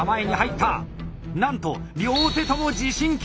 なんと両手とも持針器！